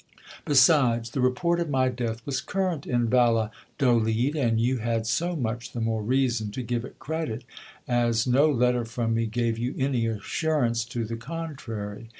Besides, the report of my death was current in Valladolid ; and you had so much the more reason to give it credit, as ho letter from me gave you any assurance to the contrary.